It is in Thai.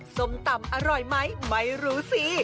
ส้มตำอร่อยไหมไม่รู้สิ